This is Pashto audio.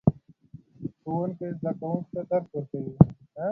ښوونکی زده کوونکو ته درس ورکوي